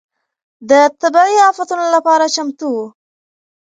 د طبيعي افتونو لپاره چمتو و.